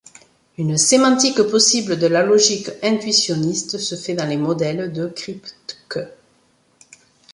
Une sémantique possible de la logique intuitionniste se fait dans les modèles de Kripke.